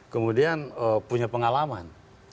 kemudian punya pengalaman